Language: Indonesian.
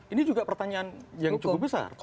ini juga pertanyaan yang cukup besar